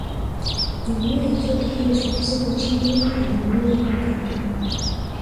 jumuiya zote hizo ziko chini ya jumuiya moja tu